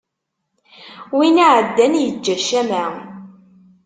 Wi iɛaddan yeǧǧa ccama.